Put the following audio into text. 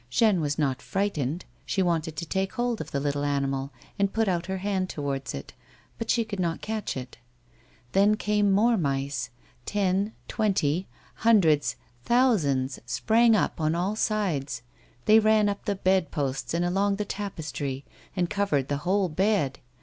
Jeanne was not frightened ; she wanted to take hold of the little 108 A WOMAN'S LIFE. animal, and put out her hand towards it, but she could not catch it. Then came more mice— ten, twenty, hundreds, thousands, sprang up on all sides. They ran up the bed posts, and along the tapestry, and covered the whole bed.